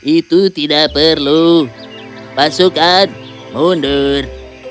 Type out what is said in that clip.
itu tidak perlu pasukan mundur